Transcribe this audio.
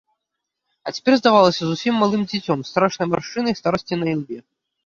А цяпер здавалася зусім малым дзіцем, з страшнай маршчынай старасці на ілбе.